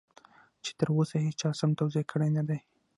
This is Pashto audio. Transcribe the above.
چې تر اوسه هېچا سم توضيح کړی نه دی.